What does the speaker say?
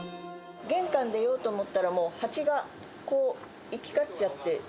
玄関出ようと思ったら、ハチが行き交っちゃって。